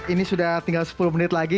ini sudah tinggal sepuluh menit lagi